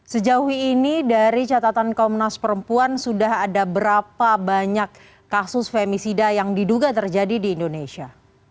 sejauh ini dari catatan komnas perempuan sudah ada berapa banyak kasus femisida yang diduga terjadi di indonesia